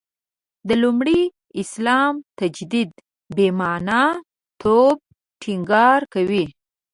د لومړي اسلام تجدید «بې معنا» توب ټینګار کوي.